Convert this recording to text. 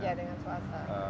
ya dengan swasta